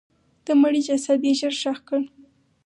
د مړي جسد یې ژر ښخ کړ.